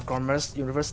vì vậy hôm nay